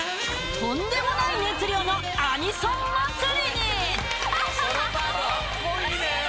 とんでもない熱量のアニソン祭りに！